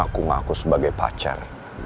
aku mah aku sebagai pacar